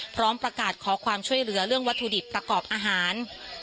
พร้อมประกาศขอความช่วยเหลือเรื่องวัตถุดิบประกอบอาหาร